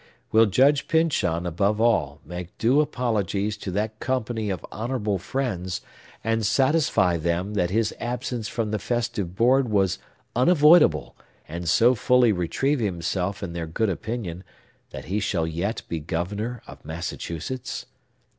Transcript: Will Judge Pyncheon, above all, make due apologies to that company of honorable friends, and satisfy them that his absence from the festive board was unavoidable, and so fully retrieve himself in their good opinion that he shall yet be Governor of Massachusetts?